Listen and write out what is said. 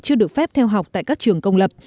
chưa được phép theo học tại các trường công lập